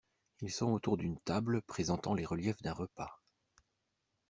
Ils sont autour d’une table présentant les reliefs d’un repas.